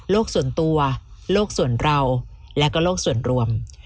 ส่วนตัวโลกส่วนเราและก็โลกส่วนรวม